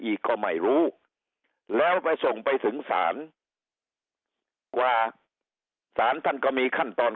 อีกก็ไม่รู้แล้วไปส่งไปถึงศาลกว่าศาลท่านก็มีขั้นตอน